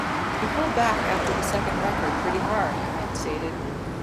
"We pulled back after the second record pretty hard," Ament stated.